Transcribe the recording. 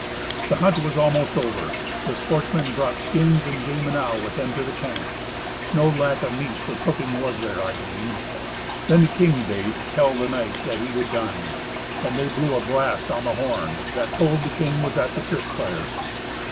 The hunt was almost over. The sportsmen brought skins and game enow with them to the camp. No lack of meat for cooking was there, I ween. Then the king bade tell the knights that he would dine. And they blew a blast on a horn, that told the king was at the tryst fire.